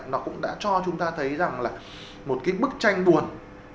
nó cũng đã cho chúng ta thấy rằng là một bức tranh buồn trong công tác giáo dục